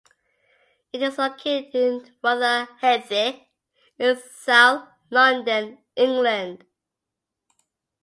It is located in Rotherhithe, in south London, England.